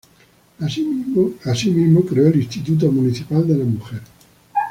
Así mismo, creó el Instituto Municipal de la Mujer.